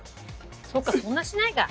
そっかそんなしないか。